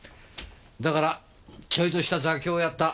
だからちょいとした座興をやった。